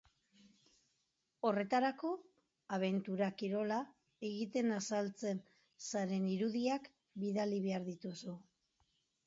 Horretarako, abentura-kirola egiten azaltzen zaren irudiak bidali behar dituzu.